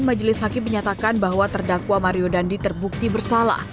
majelis hakim menyatakan bahwa terdakwa mario dandi terbukti bersalah